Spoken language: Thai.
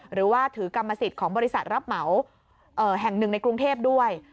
หรือว่าถือกรรมสิทธิ์ของบริษัทรับเหมาแห่งหนึ่งในกรุงเทพด้วย